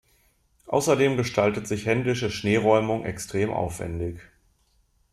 Außerdem gestaltet sich händische Schneeräumung extrem aufwendig.